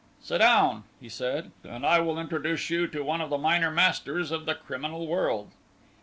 "Sit down," he said, "and I will introduce you to one of the minor masters of the criminal world."